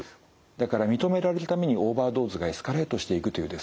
だから認められるためにオーバードーズがエスカレートしていくというですね